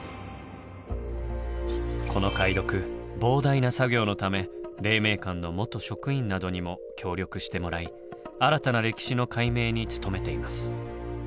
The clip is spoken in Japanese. この解読膨大な作業のため黎明館の元職員などにも協力してもらい新たな歴史の解明に努めています。